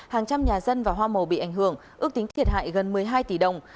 hàng trăm nhà dân và hoa màu bị ảnh hưởng ước tính thiệt hại gần một mươi hai tỷ đồng